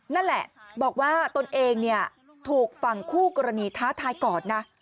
นั่นแหละบอกว่าตนเองถูกฝั่งคู่กรณีท้าทายก่อนนะ